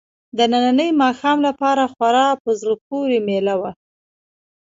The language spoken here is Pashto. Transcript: د ننني ماښام لپاره خورا په زړه پورې مېله وه.